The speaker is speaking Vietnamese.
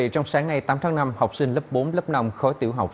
trong sáng nay tám tháng năm học sinh lớp bốn lớp năm khó tiểu học